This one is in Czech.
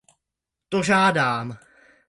To žádám.